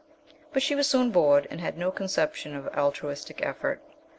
But she was soon bored, and had no conception of altruistic effort.